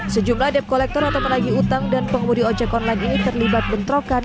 sejumlah dep kolektor atau penagi utang dan pengemudi ojek online ini terlibat bentrokan